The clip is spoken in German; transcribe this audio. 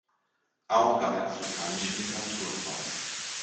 Auch gab er afrikanische Literatur heraus.